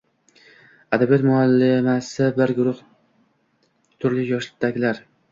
Adabiyot muallimasi bir guruh turli yoshdagilar.